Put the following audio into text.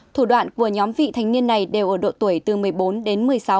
thủ đoạn của nhóm vị thanh niên này đều ở độ tuổi từ một mươi bốn đến một mươi sáu